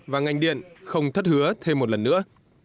và ngành điện không thất hứa thêm một lần nữa